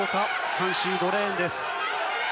３、４、５レーンです。